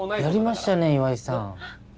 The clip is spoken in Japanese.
やりましたね岩井さん。